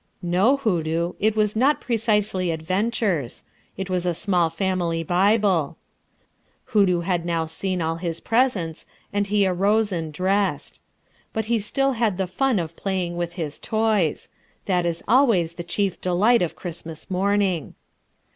No, Hoodoo, it was not precisely adventures. It was a small family Bible. Hoodoo had now seen all his presents, and he arose and dressed. But he still had the fun of playing with his toys. That is always the chief delight of Christmas morning.